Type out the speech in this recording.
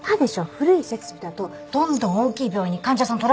古い設備だとどんどん大きい病院に患者さん取られちゃうんだって。